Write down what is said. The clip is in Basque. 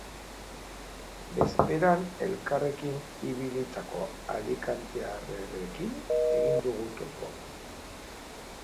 Bezperan elkarrekin ibilitako alikantearrerekin egin dut topo.